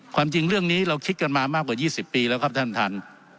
ความจริงเรื่องนี้เราคิดกันมามากกว่า๒๐ปีแล้วครับท่านท่าน